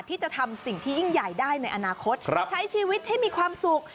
ที่จะทำสิ่งที่ยิ่งใหญ่ได้ในอนาคตใช้ชีวิตให้มีความสุข